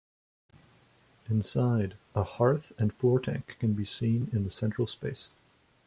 Inside a hearth and floor tank can be seen in the central space.